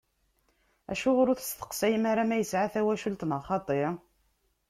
Acuɣer ur testeqsayem ara ma yesɛa tawacult neɣ xaṭi?